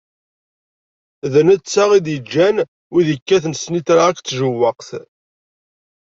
D netta i d-iǧǧan wid ikkaten snitra akked tjewwaqt.